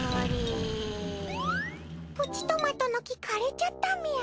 プチトマトの木枯れちゃったみゃ。